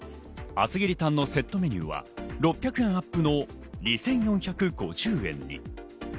厚切りたんのセットメニューは６００円アップの２４５０円に。